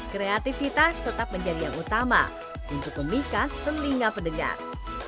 kreativitas tetap menjadi yang utama untuk memikat telinga pendengar